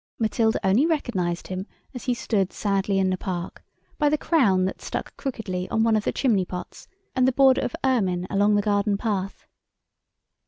Matilda only recognised him, as he stood sadly in the Park, by the crown that stuck crookedly on one of the chimney pots, and the border of ermine along the garden path.